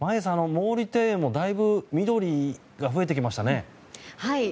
毛利庭園もだいぶ緑が増えてきましたね。